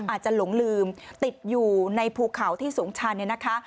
หลงลืมติดอยู่ในภูเขาที่สูงชันเนี่ยนะคะ